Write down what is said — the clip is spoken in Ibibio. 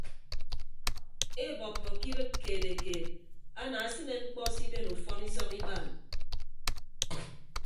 Eebọppọ ke idịt keetekeet anaasịne ñkpọ siben ufọn isọk ibaan.